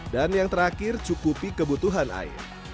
dan yang terakhir cukupi kebutuhan air